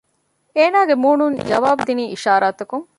އޭނާގެ މޫނުން ޖަވާބު ދިނީ އިޝާރާތަކުން